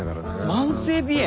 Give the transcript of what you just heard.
慢性鼻炎？